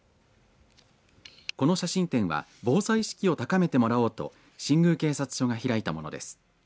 この写真展は防災意識を高めてもらおうと新宮警察署が開いたものです。